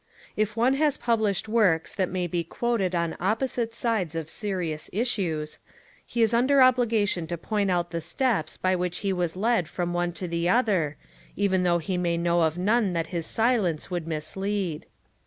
If one has published works that may be quoted on opposite sides of serious issues, he is under obliga DEDICATION AND PREFACE vu tion to point out the steps by which he was led from one to the other, even though he may know of none that his silence would mislead.